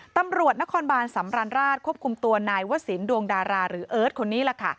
ตำรวจนครบานสำราญราชควบคุมตัวนายวศิลปดวงดาราหรือเอิร์ทคนนี้ล่ะค่ะ